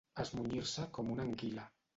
Esmunyir-se com una anguila.